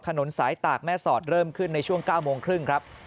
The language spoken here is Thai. ถนนสายตากแม่สอดเริ่มขึ้นในช่วง๙โมงครึ่งครับ